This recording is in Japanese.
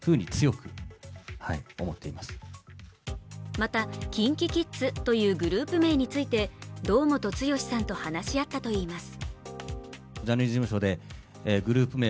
また、ＫｉｎＫｉＫｉｄｓというグループ名について、堂本剛さんと話し合ったといいます。